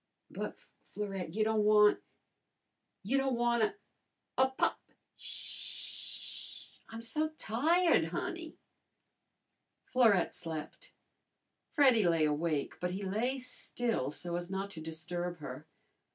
"But, Florette, you don' wan' you don' wan' a pop " "Sh h h! Sh h h! I'm so tired, honey." Florette slept. Freddy lay awake, but he lay still so as not to disturb her.